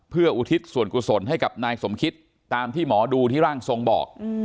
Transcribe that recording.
เพื่ออุทิศส่วนกุศลให้กับนายสมคิตตามที่หมอดูที่ร่างทรงบอก